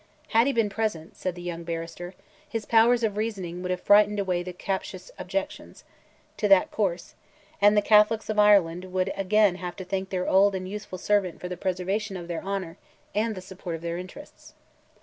"Had he been present," said the young barrister, "his powers of reasoning would have frightened away the captious objections" to that course, "and the Catholics of Ireland would again have to thank their old and useful servant for the preservation of their honour and the support of their interests."